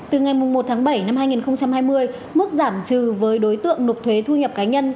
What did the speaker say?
từ ngày một tháng bảy năm hai nghìn hai mươi mức giảm trừ với đối tượng nộp thuế thu nhập cá nhân